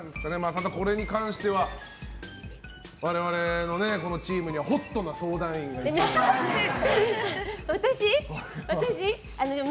ただこれに関しては我々のチームにはホットな相談員がいますのでね。